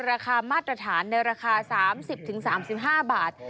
ราคามาตรฐานในราคา๓๐๓๕บาท